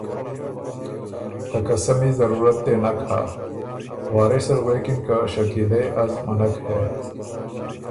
ته قسمی ضرورت دې نک هۀ“ وارث ال غوېکِن که ”شکیلے! ـــ از منک هې